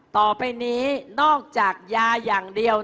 ต่อไปนี้นอกจากยาอย่างเดียว